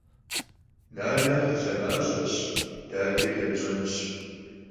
Nane helh'amaş'eş, dade ç'erış'enş.